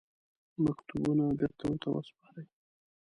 مکتوبونه بېرته ورته وسپاري.